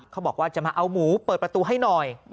เขาบอกว่าจะมาเอาหมูเปิดประตูให้หน่อย